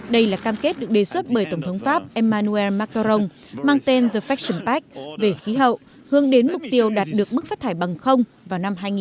đây là cam kết được đề xuất bởi tổng thống pháp emmanuel macron mang tên the fashion pack về khí hậu hướng đến mục tiêu đạt được mức phát thải bằng vào năm hai nghìn năm mươi